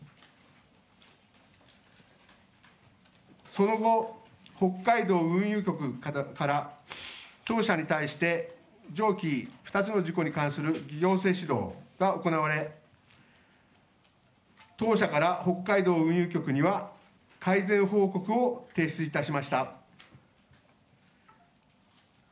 その後、北海道運輸局から当社に対して、上記２つの事故に関する行政指導が行われ、当社から北海道運輸局には改善報告を提出いたしました。